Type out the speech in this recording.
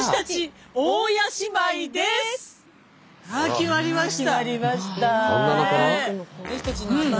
決まりました。